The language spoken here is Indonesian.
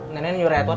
nenek nyuruh edward